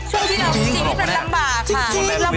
ช่วงที่เราชีวิตมันลำบากค่ะ